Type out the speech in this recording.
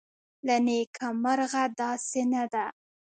له نیکه مرغه داسې نه ده